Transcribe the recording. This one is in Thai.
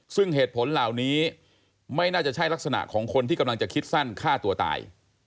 ซึ่งเหตุผลเหล่านี้ไม่น่าจะใช่ลักษณะของคนที่กำลังจะคิดสั้นฆ่าตัวตาย